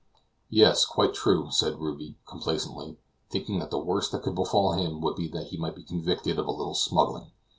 "Yes, quite true," said Ruby, complacently, thinking that the worst that could befall him would be that he might be convicted of a little smuggling.